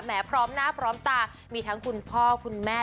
พร้อมหน้าพร้อมตามีทั้งคุณพ่อคุณแม่